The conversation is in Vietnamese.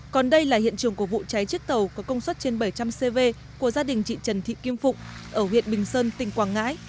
còn đây là hiện trường của vụ cháy chiếc tàu có công suất trên bảy trăm linh cv của gia đình chị trần thị kim phụng ở huyện bình sơn tỉnh quảng ngãi